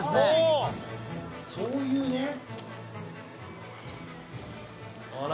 そういうね。